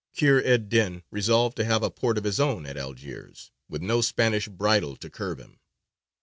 Kheyr ed dīn resolved to have a port of his own at Algiers, with no Spanish bridle to curb him.